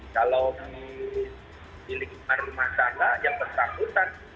kalau di lingkungan rumah tangga yang bersangkutan